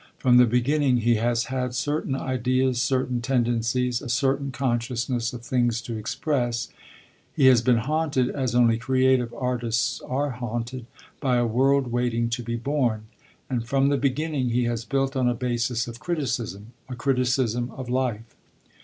From the beginning he has had certain ideas, certain tendencies, a certain consciousness of things to express; he has been haunted, as only creative artists are haunted, by a world waiting to be born; and, from the beginning, he has built on a basis of criticism, a criticism of life.